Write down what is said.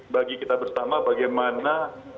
bagi kita bersama bagaimana